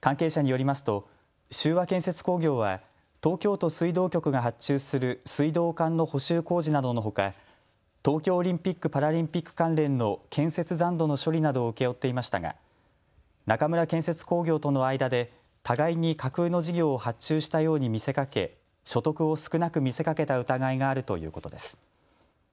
関係者によりますと秀和建設工業は東京都水道局が発注する水道管の補修工事などのほか、東京オリンピック・パラリンピック関連の建設残土の処理などを請け負っていましたが中村建設工業との間で互いに架空の事業を発注したように見せかけ所得を少なく見せかけた疑いがあるということです。